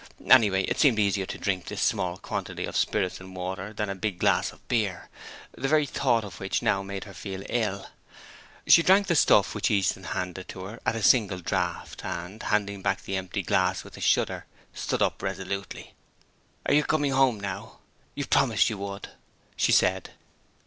Anyway, it seemed easier to drink this small quantity of spirits and water than a big glass of beer, the very thought of which now made her feel ill. She drank the stuff which Easton handed to her at a single draught and, handing back the empty glass with a shudder, stood up resolutely. 'Are you coming home now? You promised you would,' she said.